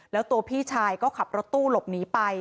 แล้วตัวพี่ชายก็ขับรถตู้หลบหนีไป